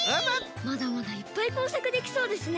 まだまだいっぱいこうさくできそうですね。